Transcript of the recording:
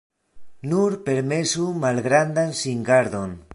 Nur permesu malgrandan singardon.